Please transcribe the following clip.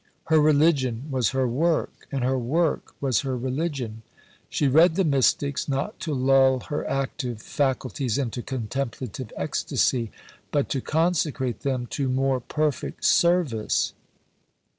Her religion was her work; and her work was her religion. She read the Mystics, not to lull her active faculties into contemplative ecstasy, but to consecrate them to more perfect service.